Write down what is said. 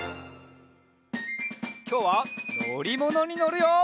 きょうはのりものにのるよ！